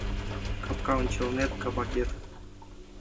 Капка ончылнет кабакет